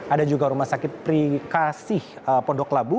ada juga rumah sakit prikasih pondok labu